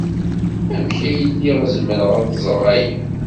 Amek ay lliɣ zemreɣ ad ẓreɣ aya?